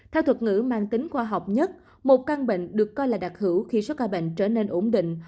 theo thuật ngữ mang tính khoa học nhất một căn bệnh được coi là đặc hữu khi số ca bệnh trở nên ổn định